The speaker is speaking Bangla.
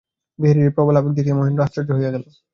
বিহারীর এই প্রবল আবেগ দেখিয়া মহেন্দ্র আশ্চর্য হইয়া গেল।